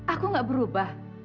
aku gak berubah